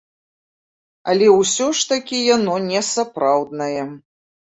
Але ўсё ж такі яно не сапраўднае.